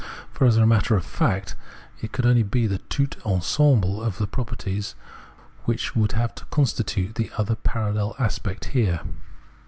For, as a matter of fact, it could only be the tout ensemble of the properties which would have to constitute the other parallel aspect here.